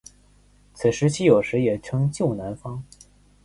此时期有时也称旧南方。